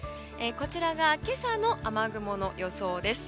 こちらが今朝の雨雲の予想です。